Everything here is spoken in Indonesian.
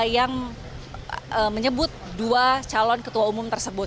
yang menyebut dua calon ketua umum tersebut